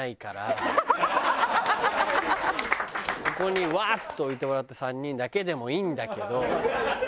ここにワッと置いてもらって３人だけでもいいんだけど。